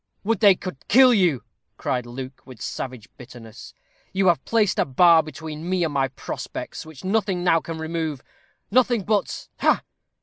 "Would they could kill you," cried Luke, with savage bitterness. "You have placed a bar between me and my prospects, which nothing can now remove nothing but ha!"